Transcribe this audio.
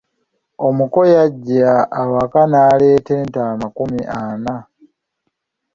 Omuko yajja awaka n’aleeta ente amakumi ana.